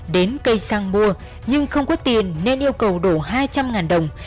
đến cây xăng mua nhưng không có tiền nên yêu cầu đổ hai trăm linh đồng